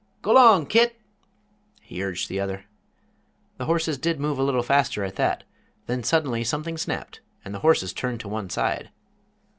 "Go 'long, Kit!" he urged the other. The horses did move a little faster at that, then suddenly something snapped and the horses turned to one side.